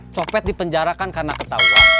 copet di penjara kan karena ketawa